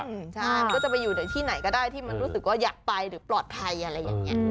ใช่มันก็จะไปอยู่ในที่ไหนก็ได้ที่มันรู้สึกว่าอยากไปหรือปลอดภัยอะไรอย่างนี้